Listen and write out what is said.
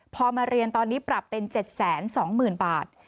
พอมาเรียนตอนนี้ปรับเป็น๗๒๐๐๐บาท